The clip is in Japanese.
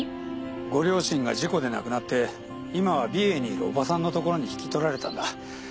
ご両親が事故で亡くなって今は美瑛にいる叔母さんのところに引き取られたんだ。